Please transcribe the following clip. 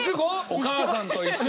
お母さんと一緒！？